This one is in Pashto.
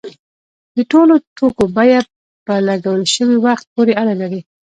د ټولو توکو بیه په لګول شوي وخت پورې اړه لري.